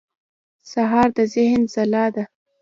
سهار د ذهن ځلا ده.